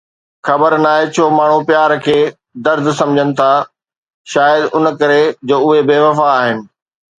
خبر ناهي ڇو ماڻهو پيار کي درد سمجهن ٿا، شايد ان ڪري جو اهي بي وفا آهن